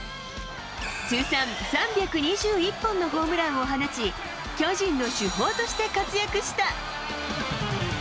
通算３２１本のホームランを放ち巨人の主砲として活躍した。